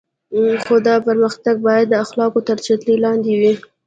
خو دا پرمختګونه باید د اخلاقو تر چتر لاندې وي.